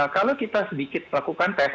kalau kita sedikit lakukan tes